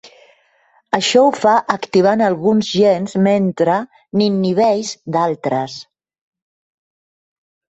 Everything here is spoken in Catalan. Això ho fa activant alguns gens mentre n'inhibeix d'altres.